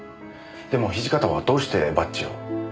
でも土方はどうしてバッジを。